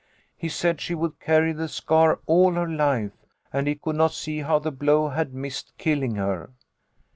He said she would carry the scar all her life, and he could not see how the blow had missed killing her.